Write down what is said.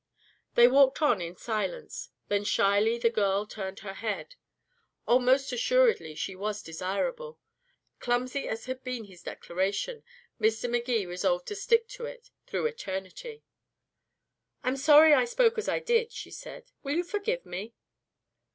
They walked on in silence. Then shyly the girl turned her head. Oh, most assuredly, she was desirable. Clumsy as had been his declaration, Mr. Magee resolved to stick to it through eternity. "I'm sorry I spoke as I did," she said. "Will you forgive me?"